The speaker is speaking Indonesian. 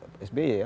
buat sby ya